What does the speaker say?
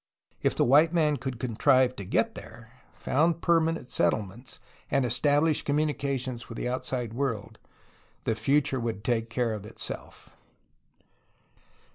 If the white man could contrive to get there, found permanent settlements, and establish communications with the outside world, the future would take care of itself.